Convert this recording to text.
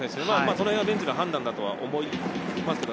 そのへんはベンチの判断だと思います。